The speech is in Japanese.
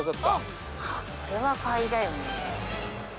・これは買いだよね。